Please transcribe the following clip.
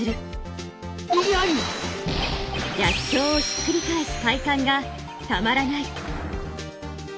逆境をひっくり返す快感がたまらない。